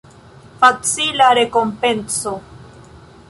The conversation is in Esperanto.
Facila rekompenco.